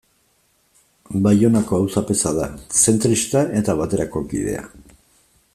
Baionako auzapeza da, zentrista eta Baterako kidea.